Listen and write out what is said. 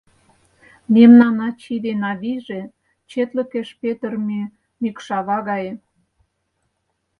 Мемнан ачий ден авийже — четлыкеш петырыме мӱкшава гае.